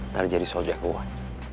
ntar jadi soldier keuat